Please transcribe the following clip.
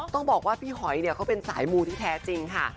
ต้องบอกว่าพี่หอยเนี่ยเขาเป็นสายมูที่แท้จริงค่ะ